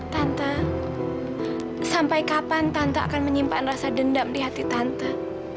tanta sampai kapan tante akan menyimpan rasa dendam di hati tanta